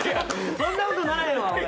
そんなことないわ！